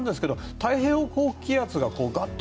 太平洋高気圧がガッと